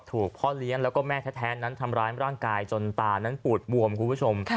พ่อเลี้ยงแล้วก็แม่แท้นั้นทำร้ายร่างกายจนตานั้นปูดบวมคุณผู้ชม